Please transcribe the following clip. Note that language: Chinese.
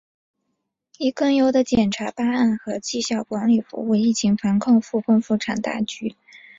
以更优的检察办案和绩效管理服务疫情防控、复工复产大局